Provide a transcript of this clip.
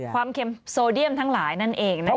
เค็มโซเดียมทั้งหลายนั่นเองนะคะ